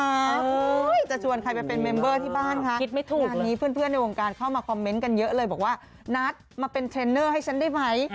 จะชวนใครไปเป็นเมมเบอร์ที่บ้านคะงานนี้เพื่อนในวงการเข้ามาคอมเมนต์กันเยอะเลยบอกว่านัทมาเป็นเทรนเนอร์ให้ฉันได้ไหม